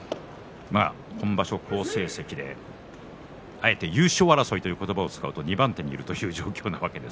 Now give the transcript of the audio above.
今場所、好成績であえて優勝争いという言葉を使うという二番手にいるという状況です。